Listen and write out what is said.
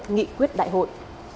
nghị quyết đại hội